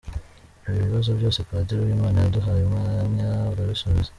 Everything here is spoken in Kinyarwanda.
Ibi bibazo byose, Padiri Uwimana yaduhaye umwanya arabisubiza.